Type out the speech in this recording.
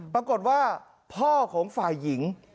ปรากฏว่าพ่อของฝ่ายหญิง